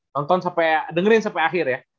nonton sampai dengerin sampai akhir ya